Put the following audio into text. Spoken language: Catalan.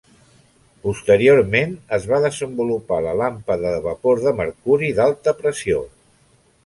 Posteriorment, es va desenvolupar la làmpada de vapor de mercuri d'alta pressió.